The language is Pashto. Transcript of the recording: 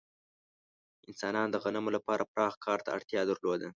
انسانانو د غنمو لپاره پراخ کار ته اړتیا درلوده.